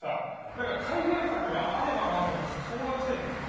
何か改善策があればなと思ってさ相談したいんだけど。